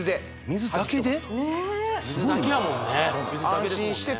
水だけやもんね